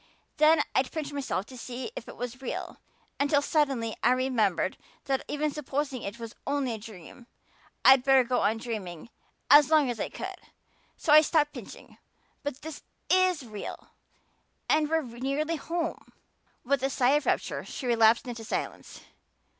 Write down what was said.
Then I'd pinch myself to see if it was real until suddenly I remembered that even supposing it was only a dream I'd better go on dreaming as long as I could; so I stopped pinching. But it is real and we're nearly home." With a sigh of rapture she relapsed into silence.